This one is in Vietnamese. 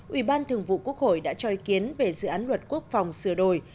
ủy ban thường vụ quốc hội đã cho ý kiến về dự án luật quốc phòng sửa đổi